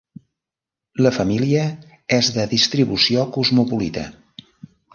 La família és de distribució cosmopolita.